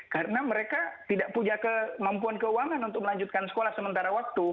karena mereka tidak punya kemampuan keuangan untuk melanjutkan sekolah sementara waktu